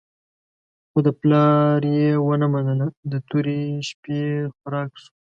خو د پلار یې ونه منله، د تورې شپې خوراک شو.